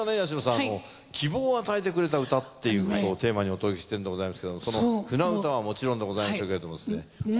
あの希望を与えてくれた歌っていうことをテーマにお届けしてるんでございますけれどもその『舟唄』はもちろんでございますけれどもですね他。